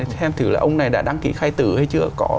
thêm thử là ông này đã đăng ký khai tử hay chưa